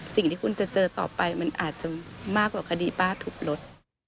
สิ่งที่คุณจะเจอต่อไปมันอาจจะมากกว่าคดีป้าทุบรถ